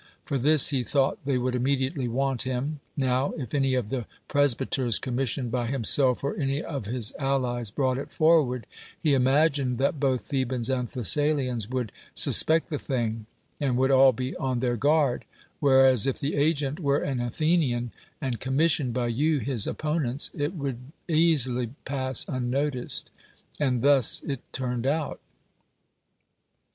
For this he thought they would immediately want him. Now, if any of the presbyters commissioned by himself or any of his allies brought it forward, he imagined that both Thebans and Thessalians would sus pect the thing, and would all be on their guard ; whereas, if the agent were an Athenian and com. missioned by you his opponents, it would easily pass unnoticed. An thus it turned out.